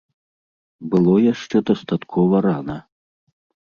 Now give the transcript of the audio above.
Было яшчэ дастаткова рана.